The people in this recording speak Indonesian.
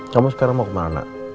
kamu sekarang mau kemana